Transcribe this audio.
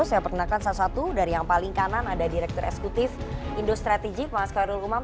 saya perkenalkan salah satu dari yang paling kanan ada direktur eksekutif indo strategik mas kardul umam